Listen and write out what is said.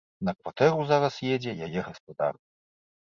На кватэру зараз едзе яе гаспадар.